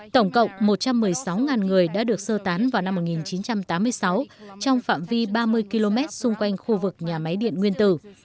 tổng cộng một trăm một mươi sáu người đã được sơ tán vào năm một nghìn chín trăm tám mươi sáu trong phạm vi ba mươi km xung quanh khu vực nhà máy điện nguyên tử